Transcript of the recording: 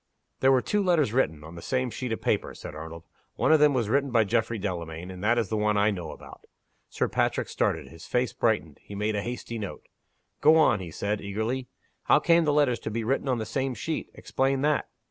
"There were two letters written, on the same sheet of paper," said Arnold. "One of them was written by Geoffrey Delamayn and that is the one I know about." Sir Patrick started. His face brightened; he made a hasty note. "Go on," he said, eagerly. "How came the letters to be written on the same sheet? Explain that!"